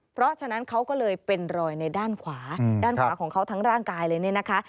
เพราะฉะนั้นเขาก็เลยเป็นรอยในด้านขวาด้านขวาของเขาทั้งร่างกายเลยเนี่ยนะคะ